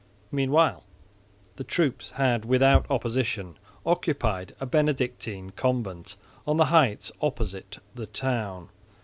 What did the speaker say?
Meanwhile the troops had, without opposition, occupied a Benedictine convent on the heights opposite the town.